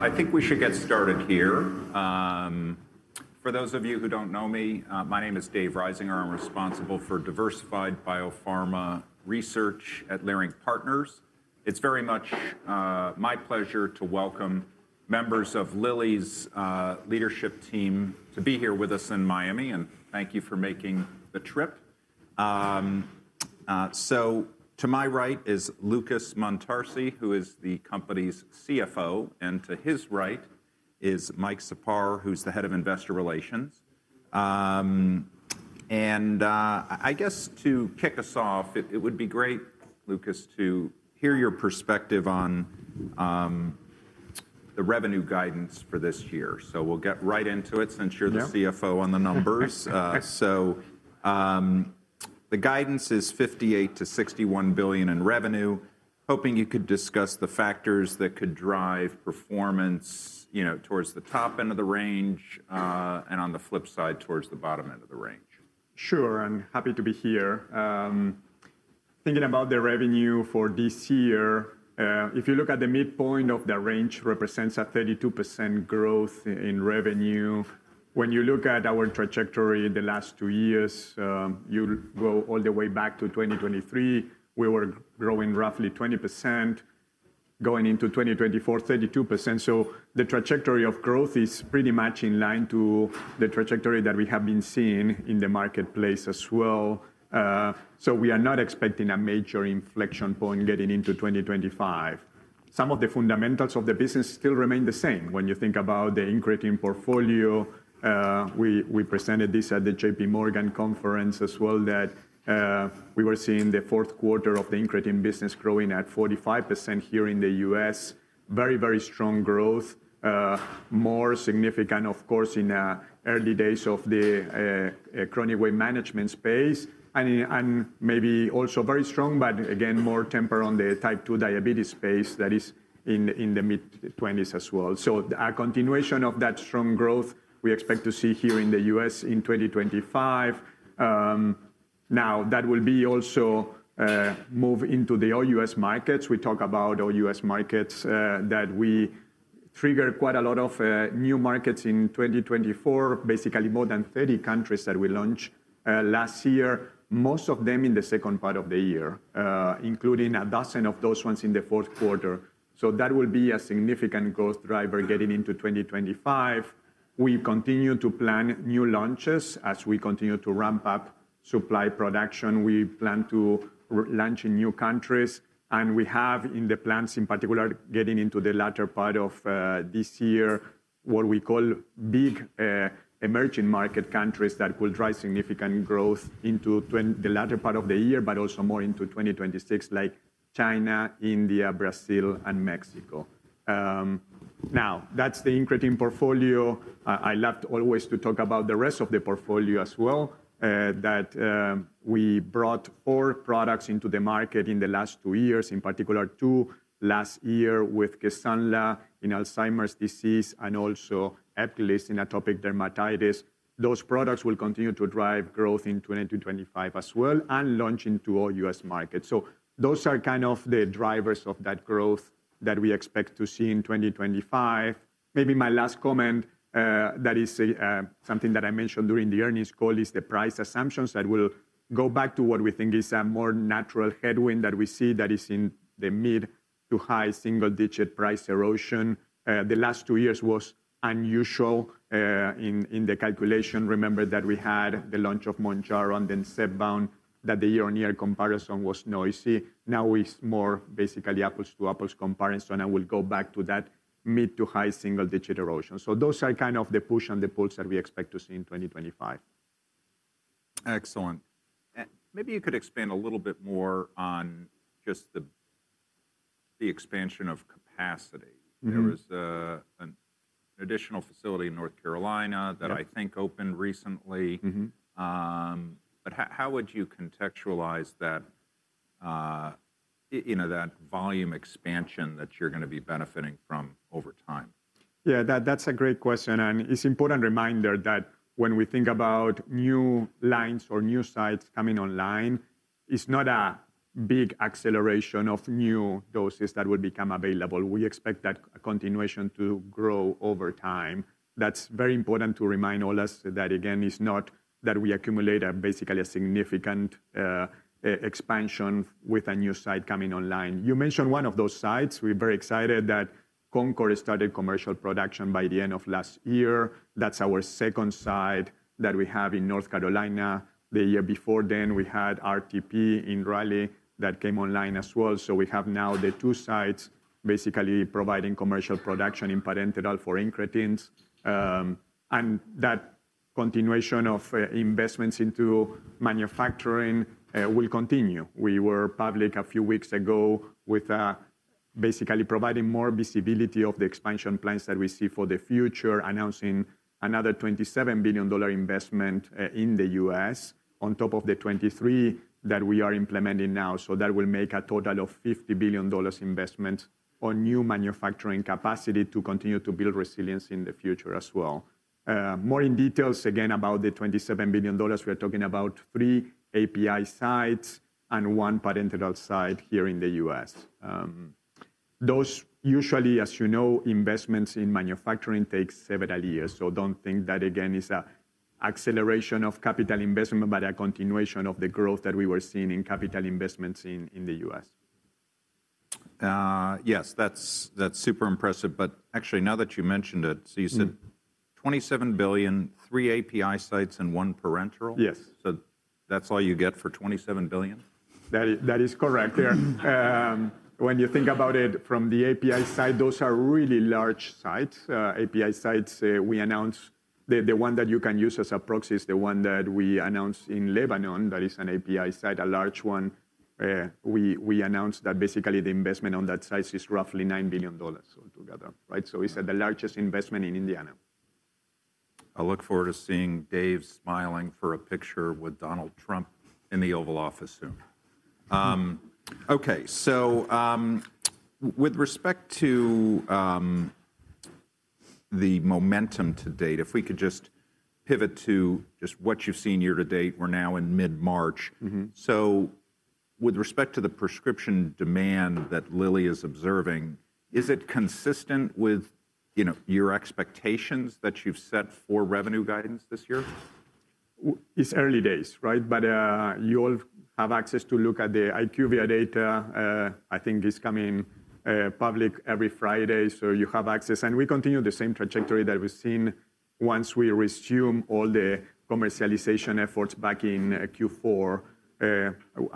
I think we should get started here. For those of you who don't know me, my name is Dave Risinger. I'm responsible for diversified biopharma research at Leerink Partners. It's very much my pleasure to welcome members of Lilly's leadership team to be here with us in Miami, and thank you for making the trip. To my right is Lucas Montarce, who is the company's CFO, and to his right is Mike Czapar, who's the head of investor relations. I guess to kick us off, it would be great, Lucas, to hear your perspective on the revenue guidance for this year. We'll get right into it since you're the CFO on the numbers. The guidance is $58 billion-$61 billion in revenue. Hoping you could discuss the factors that could drive performance towards the top end of the range and on the flip side towards the bottom end of the range. Sure. I'm happy to be here. Thinking about the revenue for this year, if you look at the midpoint of the range, it represents a 32% growth in revenue. When you look at our trajectory in the last two years, you go all the way back to 2023, we were growing roughly 20%. Going into 2024, 32%. The trajectory of growth is pretty much in line to the trajectory that we have been seeing in the marketplace as well. We are not expecting a major inflection point getting into 2025. Some of the fundamentals of the business still remain the same. When you think about the incretin portfolio, we presented this at the J.P. Morgan conference as well, that we were seeing the fourth quarter of the incretin business growing at 45% here in the U.S. Very, very strong growth, more significant, of course, in the early days of the chronic weight management space, and maybe also very strong, but again, more temper on the type 2 diabetes space that is in the mid-20s as well. A continuation of that strong growth we expect to see here in the U.S. in 2025. That will also move into the OUS markets. We talk about OUS markets that we trigger quite a lot of new markets in 2024, basically more than 30 countries that we launched last year, most of them in the second part of the year, including a dozen of those ones in the fourth quarter. That will be a significant growth driver getting into 2025. We continue to plan new launches as we continue to ramp up supply production. We plan to launch in new countries, and we have in the plans in particular getting into the latter part of this year what we call big emerging market countries that will drive significant growth into the latter part of the year, but also more into 2026, like China, India, Brazil, and Mexico. Now, that's the incretin portfolio. I loved always to talk about the rest of the portfolio as well, that we brought four products into the market in the last two years, in particular two last year with Kisunla in Alzheimer's disease and also Ebglyss in atopic dermatitis. Those products will continue to drive growth in 2025 as well and launch into OUS markets. Those are kind of the drivers of that growth that we expect to see in 2025. Maybe my last comment that is something that I mentioned during the earnings call is the price assumptions that will go back to what we think is a more natural headwind that we see that is in the mid to high single-digit price erosion. The last two years was unusual in the calculation. Remember that we had the launch of Mounjaro and then Zepbound, that the year-on-year comparison was noisy. Now it's more basically apples to apples comparison, and we'll go back to that mid to high single-digit erosion. Those are kind of the push and the pulls that we expect to see in 2025. Excellent. Maybe you could expand a little bit more on just the expansion of capacity. There was an additional facility in North Carolina that I think opened recently. How would you contextualize that volume expansion that you're going to be benefiting from over time? Yeah, that's a great question. It's an important reminder that when we think about new lines or new sites coming online, it's not a big acceleration of new doses that will become available. We expect that continuation to grow over time. That's very important to remind all of us that, again, it's not that we accumulate basically a significant expansion with a new site coming online. You mentioned one of those sites. We're very excited that Concord started commercial production by the end of last year. That's our second site that we have in North Carolina. The year before then, we had RTP in Raleigh that came online as well. We have now the two sites basically providing commercial production in parenteral for incretins. That continuation of investments into manufacturing will continue. We were public a few weeks ago with basically providing more visibility of the expansion plans that we see for the future, announcing another $27 billion investment in the U.S. on top of the $23 billion that we are implementing now. That will make a total of $50 billion investment on new manufacturing capacity to continue to build resilience in the future as well. More in details again about the $27 billion, we are talking about three API sites and one parenteral site here in the U.S.. Those usually, as you know, investments in manufacturing take several years. Do not think that, again, is an acceleration of capital investment, but a continuation of the growth that we were seeing in capital investments in the U.S.. Yes, that's super impressive. Actually, now that you mentioned it, you said $27 billion, three API sites and one parenteral? Yes. That's all you get for $27 billion? That is correct there. When you think about it from the API side, those are really large sites. API sites we announced, the one that you can use as a proxy is the one that we announced in Lebanon that is an API site, a large one. We announced that basically the investment on that site is roughly $9 billion altogether, right? So it is the largest investment in Indiana. I look forward to seeing Dave smiling for a picture with Donald Trump in the Oval Office soon. Okay, with respect to the momentum to date, if we could just pivot to just what you've seen year to date, we're now in mid-March. With respect to the prescription demand that Lilly is observing, is it consistent with your expectations that you've set for revenue guidance this year? It's early days, right? You all have access to look at the IQVIA data. I think it's coming public every Friday. You have access. We continue the same trajectory that we've seen once we resume all the commercialization efforts back in Q4.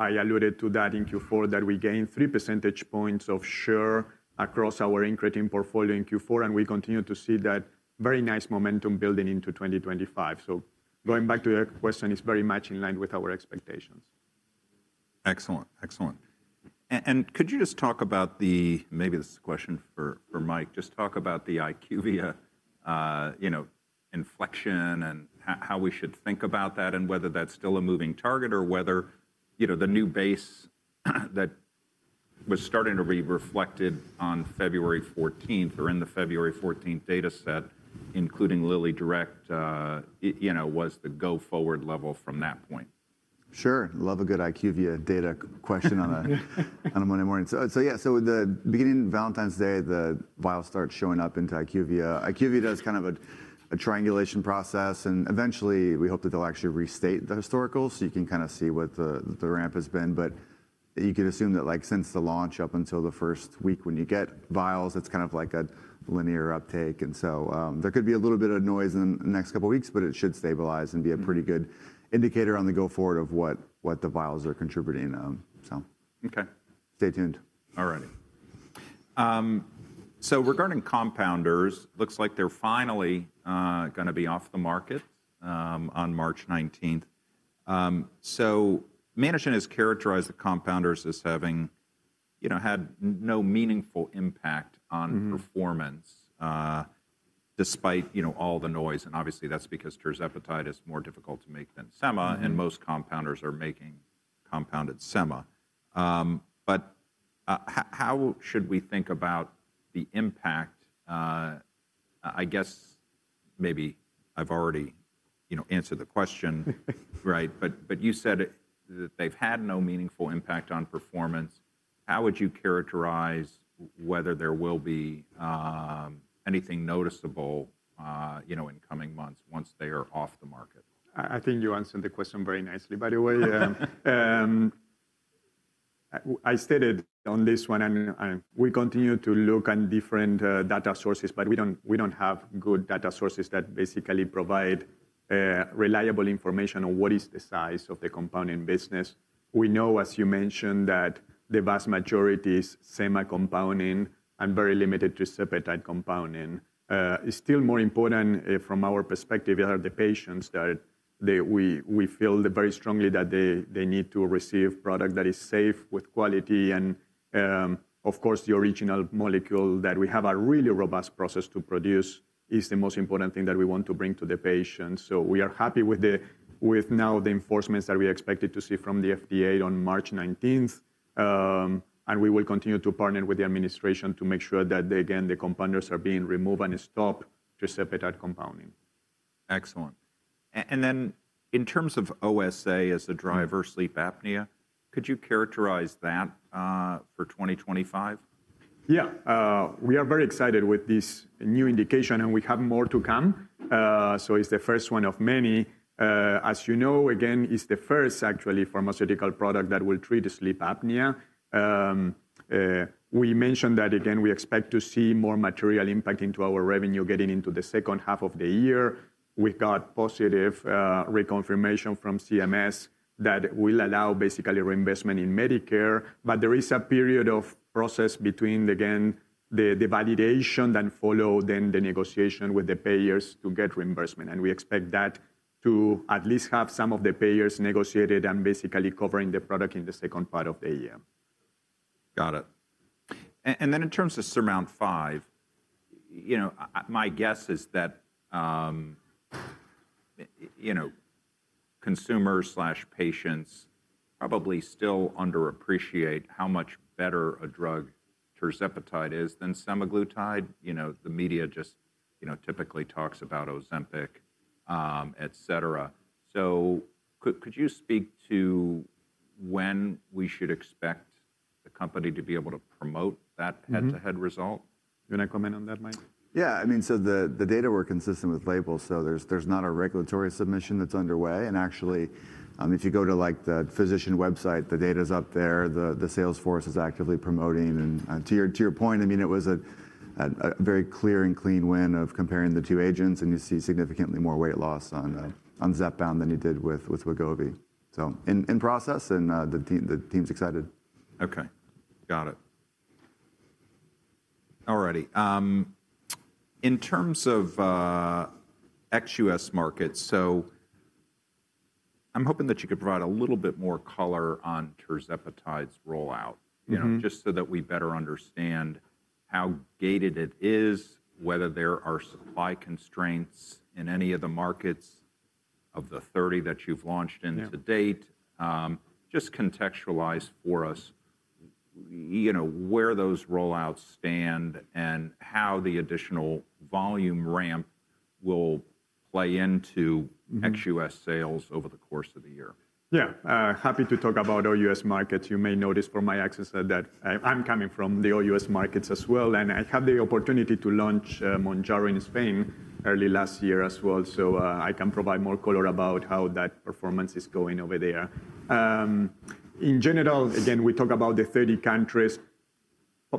I alluded to that in Q4 that we gained three percentage points of share across our incretin portfolio in Q4, and we continue to see that very nice momentum building into 2025. Going back to your question, it's very much in line with our expectations. Excellent. Excellent. Could you just talk about the, maybe this is a question for Mike, just talk about the IQVIA inflection and how we should think about that and whether that's still a moving target or whether the new base that was starting to be reflected on February 14 or in the February 14 data set, including LillyDirect, was the go-forward level from that point? Sure. Love a good IQVIA data question on a Monday morning. Yeah, the beginning of Valentine's Day, the vial starts showing up into IQVIA. IQVIA does kind of a triangulation process, and eventually we hope that they'll actually restate the historical so you can kind of see what the ramp has been. You could assume that since the launch up until the first week when you get vials, it's kind of like a linear uptake. There could be a little bit of noise in the next couple of weeks, but it should stabilize and be a pretty good indicator on the go-forward of what the vials are contributing. Stay tuned. All righty. Regarding compounders, looks like they're finally going to be off the market on March 19th. Management has characterized the compounders as having had no meaningful impact on performance despite all the noise. Obviously, that's because tirzepatide is more difficult to make than sema, and most compounders are making compounded sema. How should we think about the impact? I guess maybe I've already answered the question, right? You said that they've had no meaningful impact on performance. How would you characterize whether there will be anything noticeable in coming months once they are off the market? I think you answered the question very nicely, by the way. I stated on this one, and we continue to look at different data sources, but we do not have good data sources that basically provide reliable information on what is the size of the compounding business. We know, as you mentioned, that the vast majority is sema compounding and very limited to tirzepatide compounding. It is still more important from our perspective that the patients that we feel very strongly that they need to receive product that is safe with quality. Of course, the original molecule that we have a really robust process to produce is the most important thing that we want to bring to the patients. We are happy with now the enforcements that we expected to see from the FDA on March 19. We will continue to partner with the administration to make sure that, again, the compounders are being removed and stop tirzepatide compounding. Excellent. In terms of OSA as a driver, sleep apnea, could you characterize that for 2025? Yeah, we are very excited with this new indication, and we have more to come. It is the first one of many. As you know, again, it is the first actually pharmaceutical product that will treat sleep apnea. We mentioned that, again, we expect to see more material impact into our revenue getting into the second half of the year. We have got positive reconfirmation from CMS that will allow basically reimbursement in Medicare. There is a period of process between, again, the validation that followed then the negotiation with the payers to get reimbursement. We expect that to at least have some of the payers negotiated and basically covering the product in the second part of the year. Got it. In terms of SURMOUNT-5, my guess is that consumers/patients probably still underappreciate how much better a drug, tirzepatide, is than semaglutide. The media just typically talks about Ozempic, et cetera. Could you speak to when we should expect the company to be able to promote that head-to-head result? You want to comment on that, Mike? Yeah, I mean, the data were consistent with labels. There is not a regulatory submission that's underway. Actually, if you go to the physician website, the data is up there. The salesforce is actively promoting. To your point, it was a very clear and clean win of comparing the two agents, and you see significantly more weight loss on Zepbound than you did with Wegovy. In process, and the team's excited. Okay. Got it. All righty. In terms of ex-U.S. markets, I'm hoping that you could provide a little bit more color on tirzepatide's rollout, just so that we better understand how gated it is, whether there are supply constraints in any of the markets of the 30 that you've launched in to date. Just contextualize for us where those rollouts stand and how the additional volume ramp will play into ex-U.S. sales over the course of the year. Yeah, happy to talk about OUS markets. You may notice from my access that I'm coming from the OUS markets as well. I had the opportunity to launch Mounjaro in Spain early last year as well. I can provide more color about how that performance is going over there. In general, again, we talk about the 30 countries,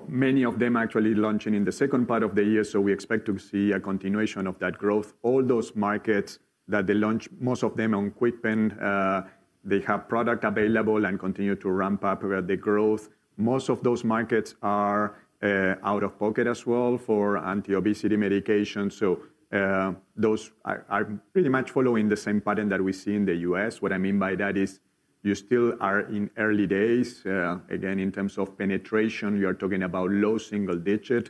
many of them actually launching in the second part of the year. We expect to see a continuation of that growth. All those markets that they launched, most of them on KwikPen, they have product available and continue to ramp up the growth. Most of those markets are out of pocket as well for anti-obesity medication. Those are pretty much following the same pattern that we see in the U.S.. What I mean by that is you still are in early days. Again, in terms of penetration, you are talking about low single-digit,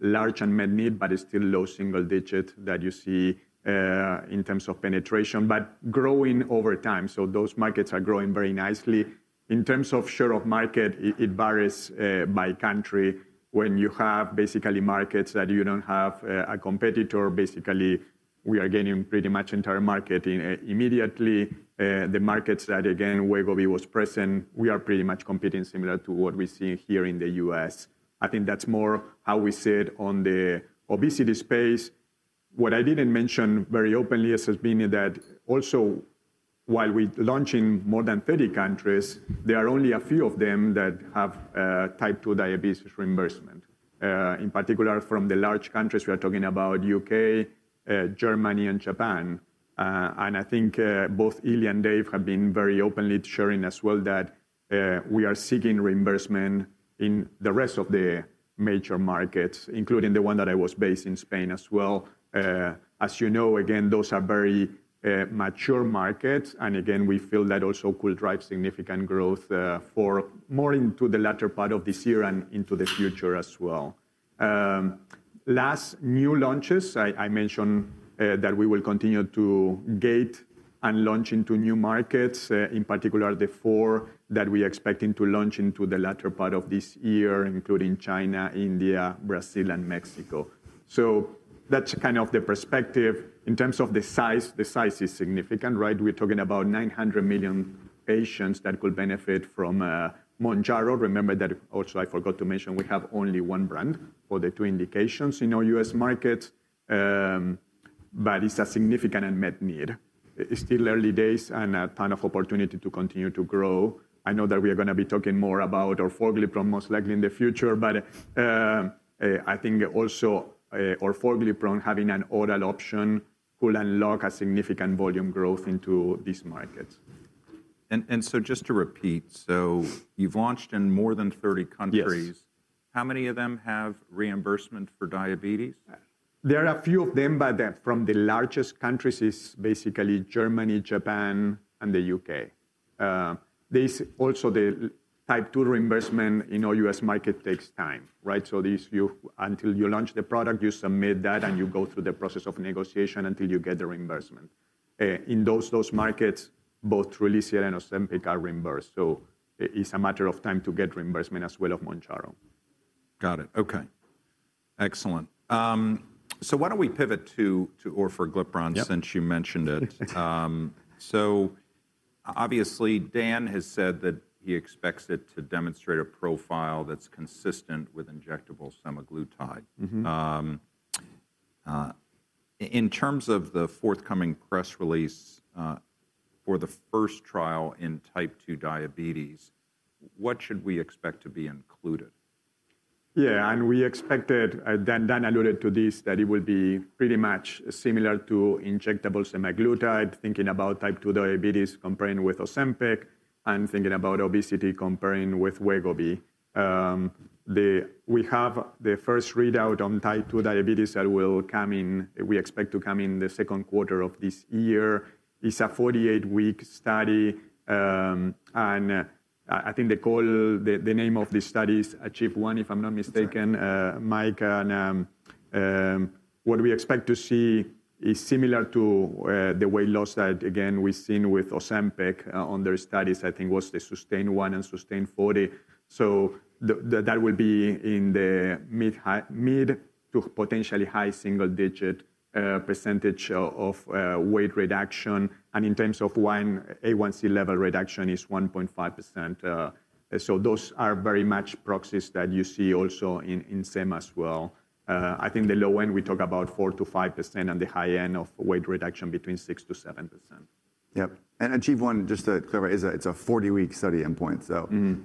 large unmet need, but it's still low single-digit that you see in terms of penetration, but growing over time. Those markets are growing very nicely. In terms of share of market, it varies by country. When you have basically markets that you don't have a competitor, basically we are gaining pretty much entire market immediately. The markets that, again, Wegovy was present, we are pretty much competing similar to what we see here in the U.S. I think that's more how we sit on the obesity space. What I didn't mention very openly is that also while we launch in more than 30 countries, there are only a few of them that have type 2 diabetes reimbursement. In particular, from the large countries, we are talking about the U.K., Germany, and Japan. I think both Ilya and Dave have been very openly sharing as well that we are seeking reimbursement in the rest of the major markets, including the one that I was based in, Spain as well. As you know, again, those are very mature markets. Again, we feel that also could drive significant growth for more into the latter part of this year and into the future as well. Last new launches, I mentioned that we will continue to gate and launch into new markets, in particular the four that we expect to launch into the latter part of this year, including China, India, Brazil, and Mexico. That is kind of the perspective. In terms of the size, the size is significant, right? We're talking about 900 million patients that could benefit from Mounjaro. Remember that also I forgot to mention, we have only one brand for the two indications in OUS markets, but it's a significant unmet need. It's still early days and a ton of opportunity to continue to grow. I know that we are going to be talking more about orfoglipron most likely in the future, but I think also orfoglipron having an oral option could unlock a significant volume growth into these markets. Just to repeat, so you've launched in more than 30 countries. How many of them have reimbursement for diabetes? There are a few of them, but from the largest countries is basically Germany, Japan, and the U.K. There's also the type 2 reimbursement in OUS market takes time, right? Until you launch the product, you submit that and you go through the process of negotiation until you get the reimbursement. In those markets, both Trulicity and Ozempic are reimbursed. It's a matter of time to get reimbursement as well of Mounjaro. Got it. Okay. Excellent. Why don't we pivot to orfoglipron since you mentioned it? Obviously, Dan has said that he expects it to demonstrate a profile that's consistent with injectable semaglutide. In terms of the forthcoming press release for the first trial in type 2 diabetes, what should we expect to be included? Yeah, and we expected, and Dan alluded to this, that it will be pretty much similar to injectable semaglutide, thinking about type 2 diabetes comparing with Ozempic and thinking about obesity comparing with Wegovy. We have the first readout on type 2 diabetes that will come in, we expect to come in the second quarter of this year. It's a 48-week study. I think the name of the study is ACHIEVE-1, if I'm not mistaken, Mike. What we expect to see is similar to the weight loss that, again, we've seen with Ozempic on their studies, I think was the SUSTAIN-1 and SUSTAIN FORTE. That will be in the mid to potentially high single-digit percentage of weight reduction. In terms of A1C level reduction, it's 1.5%. Those are very much proxies that you see also in sema as well. I think the low end, we talk about 4%-5% and the high end of weight reduction between 6%-7%. Yep. And ACHIEVE-1, just to clarify, it's a 40-week study endpoint.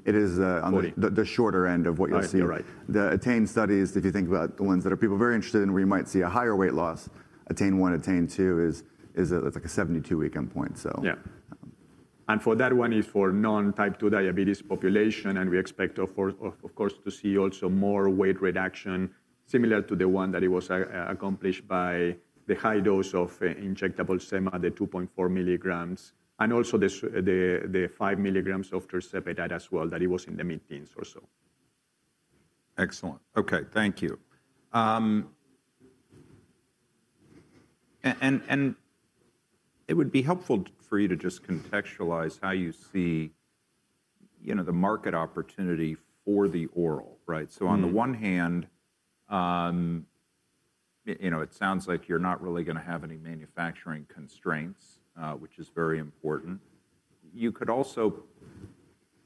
It is the shorter end of what you're seeing. The ATTAIN studies, if you think about the ones that are people very interested in, where you might see a higher weight loss, ATTAIN-1, ATTAIN-2 is like a 72-week endpoint. Yeah. For that one, it is for non-type 2 diabetes population. We expect, of course, to see also more weight reduction similar to the one that was accomplished by the high dose of injectable sema, the 2.4 mg, and also the 5 mg of tirzepatide as well that was in the mid-teens or so. Excellent. Okay, thank you. It would be helpful for you to just contextualize how you see the market opportunity for the oral, right? On the one hand, it sounds like you're not really going to have any manufacturing constraints, which is very important. You could also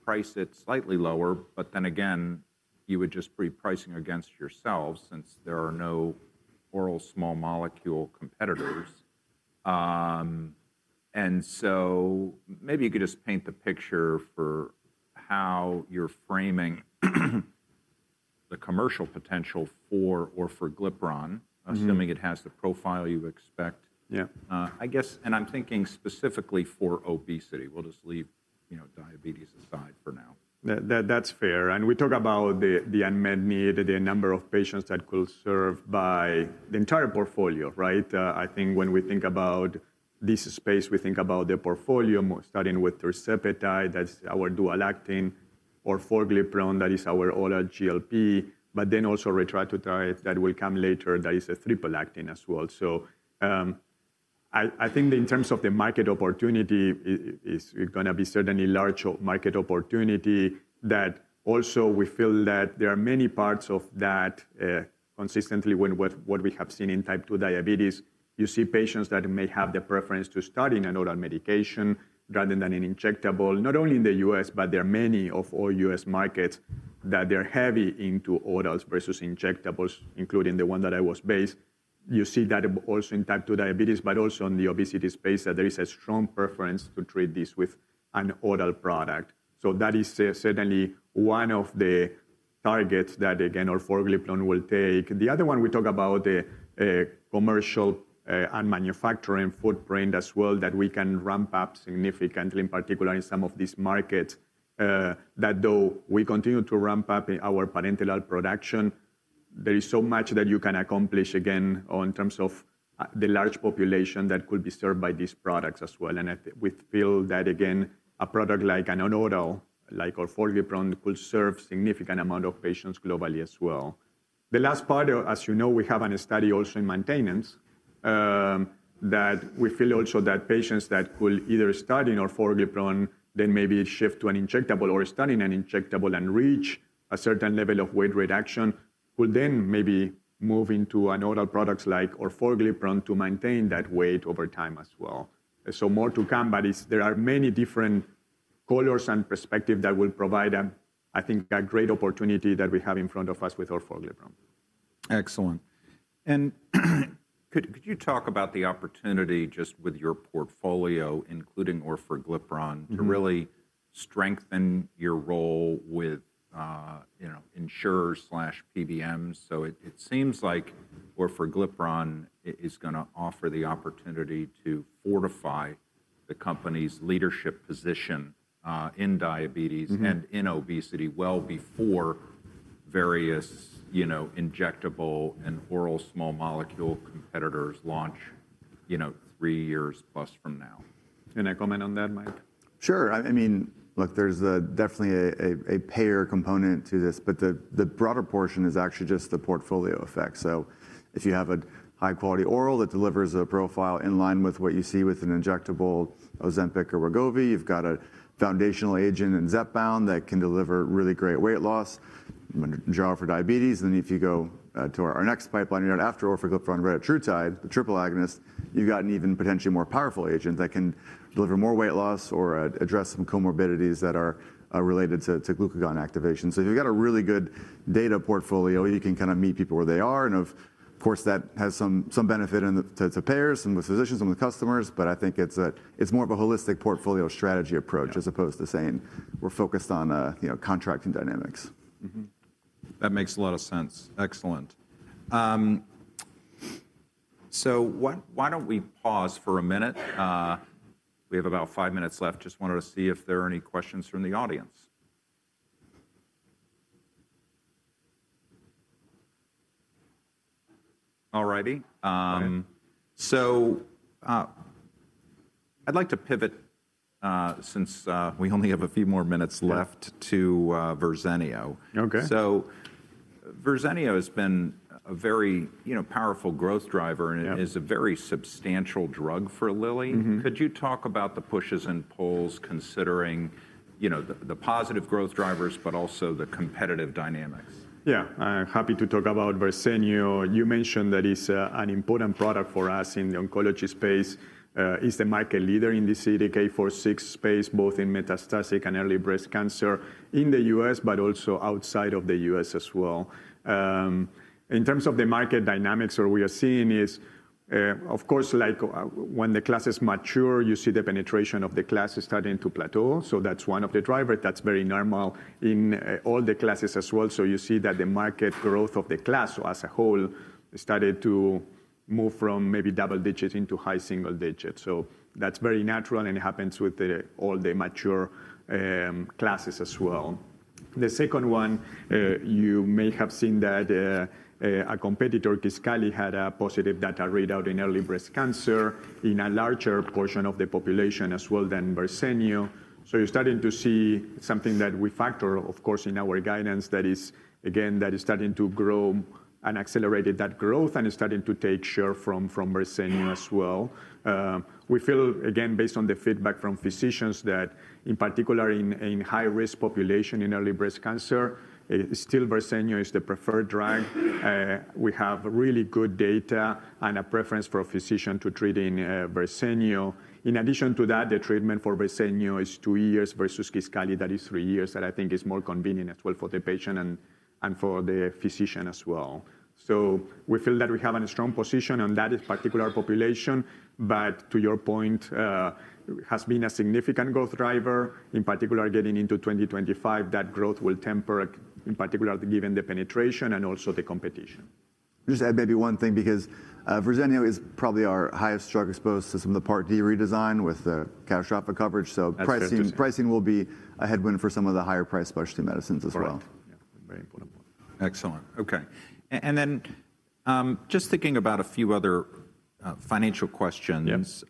price it slightly lower, but then again, you would just be pricing against yourselves since there are no oral small molecule competitors. Maybe you could just paint the picture for how you're framing the commercial potential for orfoglipron, assuming it has the profile you expect. I guess, and I'm thinking specifically for obesity. We'll just leave diabetes aside for now. That's fair. We talk about the unmet need, the number of patients that could serve by the entire portfolio, right? I think when we think about this space, we think about the portfolio starting with tirzepatide, that's our dual-acting, orfoglipron, that is our oral GLP, but then also retatrutide that will come later, that is a triple-acting as well. I think in terms of the market opportunity, it's going to be certainly large market opportunity that also we feel that there are many parts of that consistently with what we have seen in type 2 diabetes. You see patients that may have the preference to starting an oral medication rather than an injectable, not only in the U.S., but there are many of OUS markets that they're heavy into orals versus injectables, including the one that I was based. You see that also in type 2 diabetes, but also in the obesity space that there is a strong preference to treat this with an oral product. That is certainly one of the targets that, again, orfoglipron will take. The other one, we talk about the commercial and manufacturing footprint as well, that we can ramp up significantly, in particular in some of these markets, that though we continue to ramp up our parenteral production, there is so much that you can accomplish, again, in terms of the large population that could be served by these products as well. We feel that, again, a product like an oral, like orfoglipron, could serve a significant amount of patients globally as well. The last part, as you know, we have a study also in maintenance that we feel also that patients that could either start in orfoglipron, then maybe shift to an injectable or start in an injectable and reach a certain level of weight reduction, could then maybe move into an oral product like orfoglipron to maintain that weight over time as well. More to come, but there are many different colors and perspectives that will provide, I think, a great opportunity that we have in front of us with orfoglipron. Excellent. Could you talk about the opportunity just with your portfolio, including orfoglipron, to really strengthen your role with insurers/PBMs? It seems like orfoglipron is going to offer the opportunity to fortify the company's leadership position in diabetes and in obesity well before various injectable and oral small molecule competitors launch three years plus from now. Any comment on that, Mike? Sure. I mean, look, there's definitely a payer component to this, but the broader portion is actually just the portfolio effect. If you have a high-quality oral that delivers a profile in line with what you see with an injectable, Ozempic, or Wegovy, you've got a foundational agent in Zepbound that can deliver really great weight loss for diabetes. If you go to our next pipeline, you're on after orfoglipron, retatrutide, the triple agonist, you've got an even potentially more powerful agent that can deliver more weight loss or address some comorbidities that are related to glucagon activation. If you've got a really good data portfolio, you can kind of meet people where they are. That has some benefit to payers, some physicians, some of the customers, but I think it's more of a holistic portfolio strategy approach as opposed to saying we're focused on contracting dynamics. That makes a lot of sense. Excellent. Why don't we pause for a minute? We have about five minutes left. Just wanted to see if there are any questions from the audience. All righty. I'd like to pivot since we only have a few more minutes left to Verzenio. Verzenio has been a very powerful growth driver and is a very substantial drug for Lilly. Could you talk about the pushes and pulls considering the positive growth drivers, but also the competitive dynamics? Yeah, I'm happy to talk about Verzenio. You mentioned that it's an important product for us in the oncology space. It's the market leader in this CDK4/6 space, both in metastatic and early breast cancer in the U.S., but also outside of the U.S. as well. In terms of the market dynamics, what we are seeing is, of course, like when the classes mature, you see the penetration of the classes starting to plateau. That's one of the drivers. That's very normal in all the classes as well. You see that the market growth of the class as a whole started to move from maybe double digits into high single digits. That's very natural and it happens with all the mature classes as well. The second one, you may have seen that a competitor, Kisqali, had a positive data readout in early breast cancer in a larger portion of the population as well than Verzenio. You are starting to see something that we factor, of course, in our guidance that is, again, that is starting to grow and accelerated that growth and is starting to take share from Verzenio as well. We feel, again, based on the feedback from physicians that in particular in high-risk population in early breast cancer, still Verzenio is the preferred drug. We have really good data and a preference for a physician to treat in Verzenio. In addition to that, the treatment for Verzenio is two years versus Kisqali, that is three years that I think is more convenient as well for the patient and for the physician as well. We feel that we have a strong position on that particular population, but to your point, it has been a significant growth driver. In particular, getting into 2025, that growth will temper, in particular, given the penetration and also the competition. Just add maybe one thing because Verzenio is probably our highest drug exposed to some of the Part D redesign with catastrophic coverage. Pricing will be a headwind for some of the higher-priced specialty medicines as well. Correct. Very important point. Excellent. Okay. Just thinking about a few other financial questions.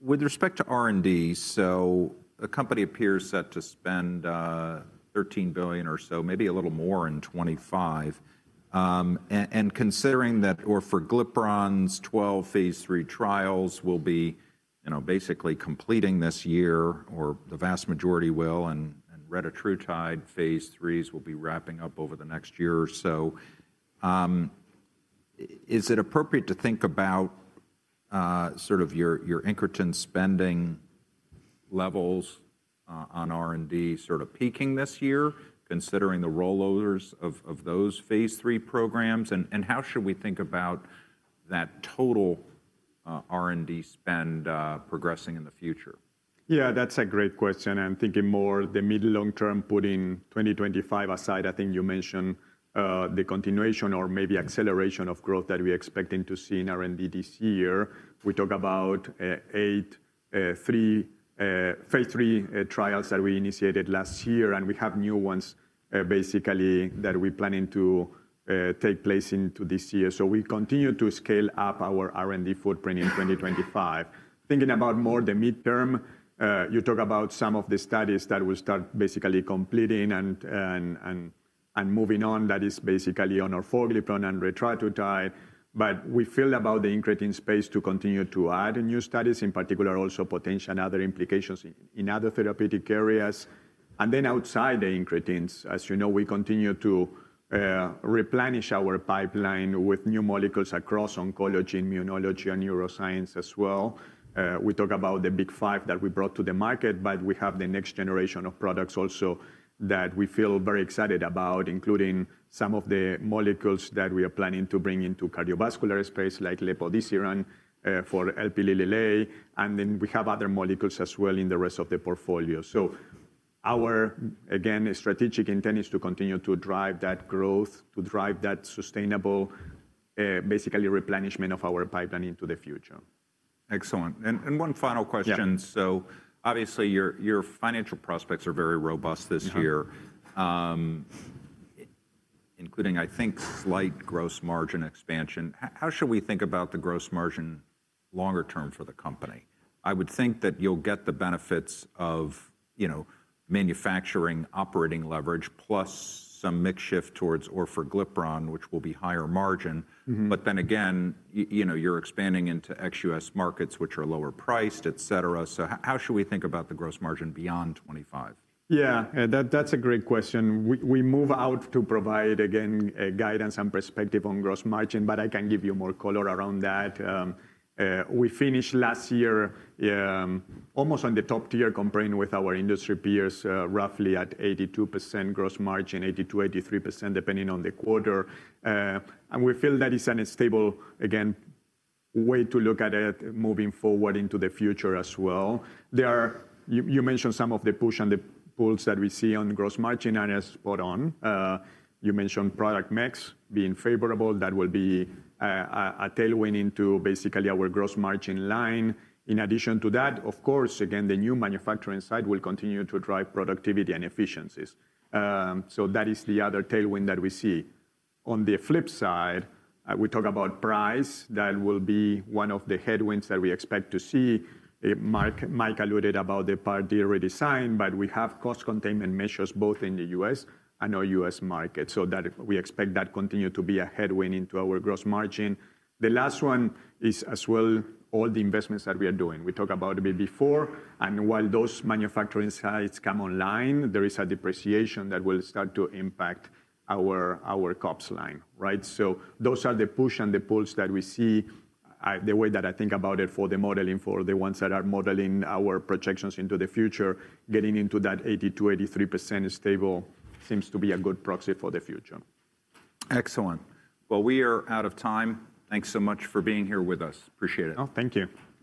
With respect to R&D, the company appears set to spend $13 billion or so, maybe a little more in 2025. Considering that orfoglipron's 12 Phase III trials will be basically completing this year or the vast majority will, and retatrutide Phase III will be wrapping up over the next year or so, is it appropriate to think about sort of your incretin spending levels on R&D sort of peaking this year, considering the rollouts of those phase three programs? How should we think about that total R&D spend progressing in the future? Yeah, that's a great question. Thinking more the mid-long term, putting 2025 aside, I think you mentioned the continuation or maybe acceleration of growth that we're expecting to see in R&D this year. We talk about eight Phase III trials that we initiated last year, and we have new ones basically that we're planning to take place into this year. We continue to scale up our R&D footprint in 2025. Thinking about more the midterm, you talk about some of the studies that will start basically completing and moving on that is basically on orfoglipron and retatrutide. We feel about the incretin space to continue to add new studies, in particular also potential and other implications in other therapeutic areas. Outside the incretins, as you know, we continue to replenish our pipeline with new molecules across oncology, immunology, and neuroscience as well. We talk about the big five that we brought to the market, but we have the next generation of products also that we feel very excited about, including some of the molecules that we are planning to bring into cardiovascular space like lepodisiran for Lp(a). And then we have other molecules as well in the rest of the portfolio. Our, again, strategic intent is to continue to drive that growth, to drive that sustainable basically replenishment of our pipeline into the future. Excellent. One final question. Obviously your financial prospects are very robust this year, including, I think, slight gross margin expansion. How should we think about the gross margin longer term for the company? I would think that you'll get the benefits of manufacturing operating leverage plus some mix shift towards orfoglipron, which will be higher margin. Then again, you're expanding into ex-U.S. markets, which are lower priced, et cetera. How should we think about the gross margin beyond 2025? Yeah, that's a great question. We move out to provide, again, guidance and perspective on gross margin, but I can give you more color around that. We finished last year almost on the top tier comparing with our industry peers, roughly at 82% gross margin, 82%-83% depending on the quarter. And we feel that is a stable, again, way to look at it moving forward into the future as well. You mentioned some of the push and the pulls that we see on gross margin are spot on. You mentioned product mix being favorable. That will be a tailwind into basically our gross margin line. In addition to that, of course, again, the new manufacturing side will continue to drive productivity and efficiencies. That is the other tailwind that we see. On the flip side, we talk about price. That will be one of the headwinds that we expect to see. Mike alluded about the Part D redesign, but we have cost containment measures both in the U.S. and OUS market. We expect that continues to be a headwind into our gross margin. The last one is as well all the investments that we are doing. We talked about a bit before. While those manufacturing sites come online, there is a depreciation that will start to impact our COGS line, right? Those are the push and the pulls that we see. The way that I think about it for the modeling, for the ones that are modeling our projections into the future, getting into that 82-83% is stable, seems to be a good proxy for the future. Excellent. We are out of time. Thanks so much for being here with us. Appreciate it. Thank you.